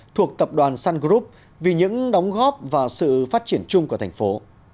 thuộc tập đoàn sun group vì những đóng góp và sự phát triển chung của thành phố